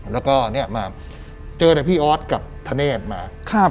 แล้วก็เจอแต่พี่ออสกับทะเนธมา